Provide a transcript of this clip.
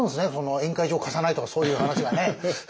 宴会場を貸さないとかそういう話がね。